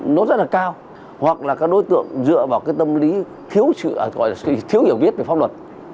nó rất là cao hoặc là các đối tượng dựa vào cái tâm lý thiếu hiểu biết về pháp luật